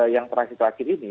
yang terakhir terakhir ini